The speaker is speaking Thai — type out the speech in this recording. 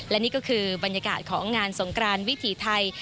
และนี่ก็คือบรรยากาศของงานสงกรานวิถีไทย